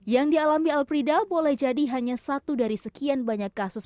yang dialami alfrida boleh jadi hanya satu dari sekian banyak kasus